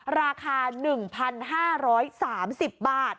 ราคา๑๕๓๐บาท